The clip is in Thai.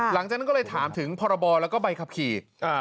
หลังจากนั้นก็เลยถามถึงพรบแล้วก็ใบขับขี่